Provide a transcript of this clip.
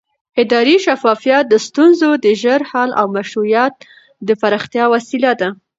اداري شفافیت د ستونزو د ژر حل او مشروعیت د پراختیا وسیله ده